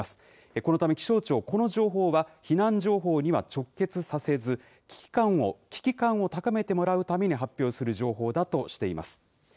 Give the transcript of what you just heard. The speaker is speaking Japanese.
このため気象庁、この情報は避難情報には直結させず、危機感を高めてもらうために発表する情報だとしています。